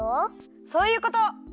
そういうこと！